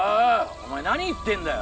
お前何言ってんだよ。